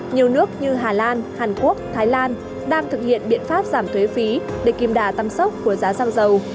nhiều nước như hà lan hàn quốc thái lan đang thực hiện biện pháp giảm thuế phí để kìm đà tăng sốc của giá xăng dầu